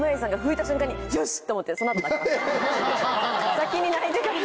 先に泣いてから。